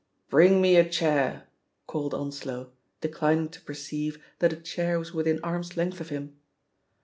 "Bring me a chair!" called Onslow, declining to perceive that a chair was within arm's length of him.